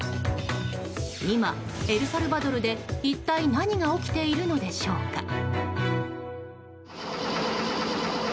今、エルサルバドルで一体、何が起きているのでしょうか。